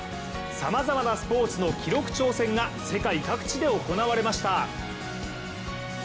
さまざまなスポーツの記録挑戦が世界各地で行われました。